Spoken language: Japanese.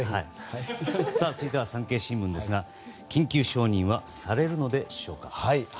続いては産経新聞ですが緊急承認はされるのでしょうか。